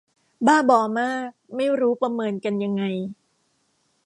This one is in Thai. บ้าบอมาก ไม่รู้ประเมินกันยังไง